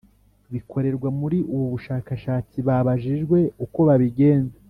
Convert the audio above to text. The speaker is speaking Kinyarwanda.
bikorerwa Muri ubu bushakashatsi babajijwe uko babigenza